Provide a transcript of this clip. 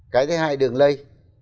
cái thứ hai đường lây